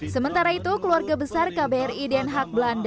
sementara itu keluarga besar kbri den haag belanda